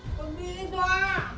con đi ra